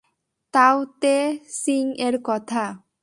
তাও Te Ching এর কথা?